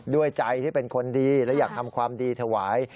ด้วยใจที่เป็นคนดีและอยากทำความดีถวาย